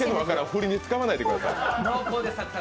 フリに使わないでください。